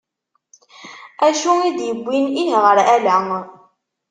Acu i d iwwin ih ɣer ala?